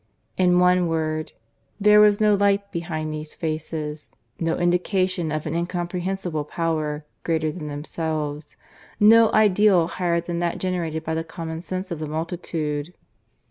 In one word, there was no light behind these faces, no indication of an incomprehensible Power greater than themselves, no ideal higher than that generated by the common sense of the multitude.